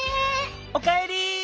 おかえり。